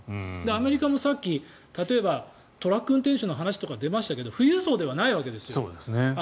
アメリカもさっき、例えばトラック運転手の話とか出ましたが富裕層ではないわけですよ。